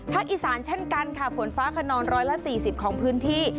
อีสานเช่นกันค่ะฝนฟ้าขนองร้อยละ๔๐ของพื้นที่